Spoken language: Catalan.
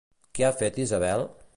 Què ha fet Isabel?